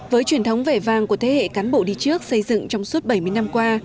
với truyền thống vẻ vàng của thế hệ cán bộ đi trước xây dựng trong suốt bảy mươi năm qua